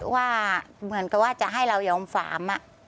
ว่าเหมือนกับว่าจะให้เรายอมฝาม